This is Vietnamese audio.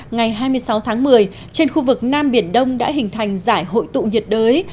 ngày hai mươi sáu tháng một mươi trên khu vực nam biển đông đã hình thành giải hội tụ nhiệt đới